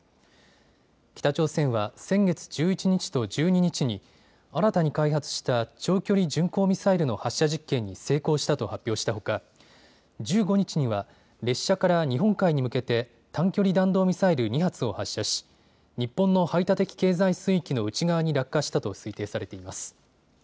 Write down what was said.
北朝鮮は先月１１日と１２日に新たに開発した長距離巡航ミサイルの発射実験に成功したと発表したほか１５日には列車から日本海に向けて短距離弾道ミサイル２発を発射し日本の排他的経済水域の内側に落下したと推定されています。